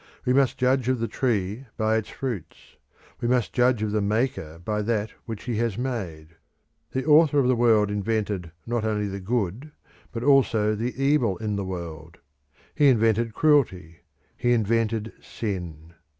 We must judge of the tree by its fruits; we must judge of the maker by that which he has made. The Author of the world invented not only the good but also the evil in the world; he invented cruelty; he invented sin.